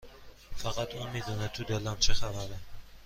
فقط اون میدونه تو دلم چه خبره